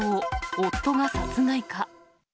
夫が殺害か。